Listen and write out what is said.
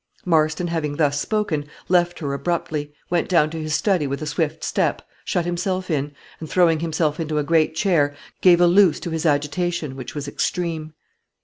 Marston having thus spoken, left her abruptly, went down to his study with a swift step, shut himself in, and throwing himself into a great chair, gave a loose to his agitation, which was extreme.